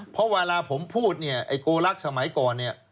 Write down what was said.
เพราะเวลาผมพูดไอ้โกลักษณ์สมัยก่อน